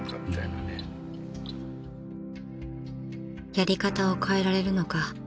［やり方を変えられるのか］